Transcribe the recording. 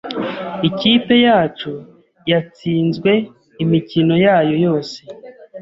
Ikipe yacu yatsinzwe imikino yayo yose.